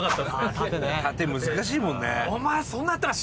殺陣難しいもんね。